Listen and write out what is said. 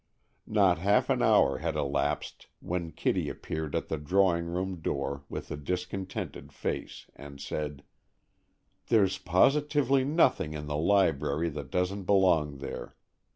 Not half an hour had elapsed when Kitty appeared at the drawing room door with a discontented face, and said, "There's positively nothing in the library that doesn't belong there.